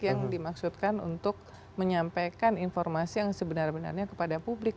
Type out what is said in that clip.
yang dimaksudkan untuk menyampaikan informasi yang sebenarnya kepada publik